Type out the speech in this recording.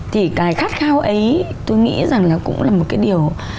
thì cái khát khao ấy tôi nghĩ rằng là cũng là một cái điều